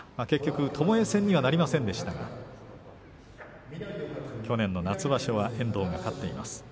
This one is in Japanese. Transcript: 結局ともえ戦にはなりませんでしたが去年の夏場所遠藤が勝っています。